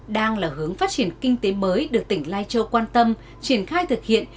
đang là hướng phát triển kinh tế mới được tỉnh lai châu quan tâm triển khai thực hiện